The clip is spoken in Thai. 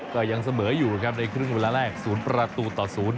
ก็ยังเสมออยู่ครับในครึ่งเวลาแรก๐ประตูต่อ๐